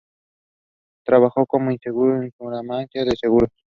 Trabajó como ingeniero en Suramericana de Seguros.